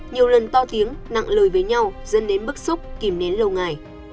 nhiều lần to tiếng nặng lời với nhau dẫn đến bức xúc kìm nến lâu ngày